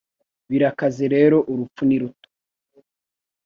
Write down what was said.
Birakaze rero urupfu ni ruto